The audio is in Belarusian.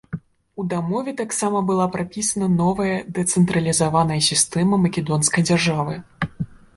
У дамове таксама была прапісана новая дэцэнтралізаваная сістэма македонскай дзяржавы.